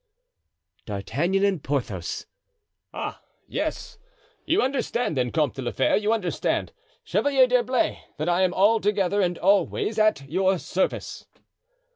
"D'Artagnan and Porthos." "Ah, yes. You understand, then, Comte de la Fere, you understand, Chevalier d'Herblay, that I am altogether and always at your service."